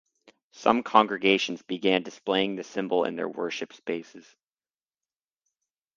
Some congregations began displaying the symbol in their worship spaces.